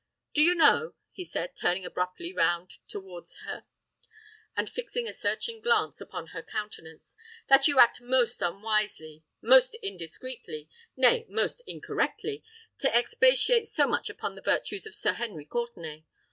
"Do you know," he said, turning abruptly round towards her, and fixing a searching glance upon her countenance, "that you act most unwisely—most indiscreetly—nay, most incorrectly, to expatiate so much upon the virtues of Sir Henry Courtenay?